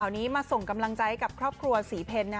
วันนี้มาส่งกำลังใจกับครอบครัวศรีเพล